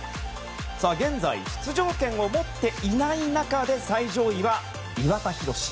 現在、出場権を持っていない中で最上位は岩田寛。